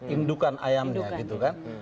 indukan ayamnya gitu kan